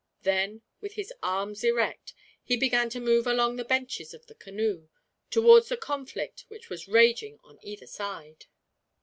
Then, with his arms erect, he began to move along the benches of the canoe, towards the conflict which was raging on either side.